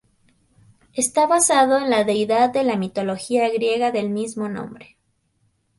Está basado en la deidad de la mitología griega del mismo nombre.